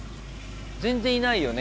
全然いないよね